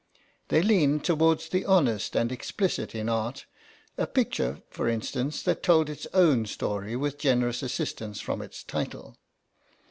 They leaned towards the honest and explicit in art, a picture, for instance, that told its own story, with generous assistance from its title.